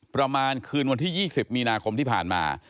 ประมาณคืนวันที่๒๐มีนาคมที่ผ่านมา